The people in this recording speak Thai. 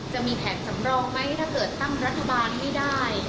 จะมีแผนสำรองไหมถ้าเกิดตั้งรัฐบาลไม่ได้